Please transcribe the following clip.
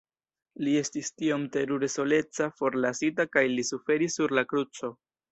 Li estis tiom terure soleca, forlasita kaj li suferis sur la kruco..